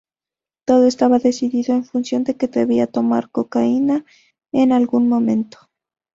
Todo estaba decidido en función de que debía tomar cocaína en algún momento.